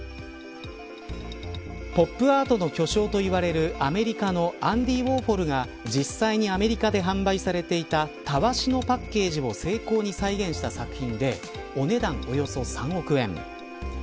ポップアートの巨匠といわれるアメリカのアンディ・ウォーホルが実際にアメリカで販売されていたたわしのパッケージを精巧に再現した作品でお値段、およそ３億円。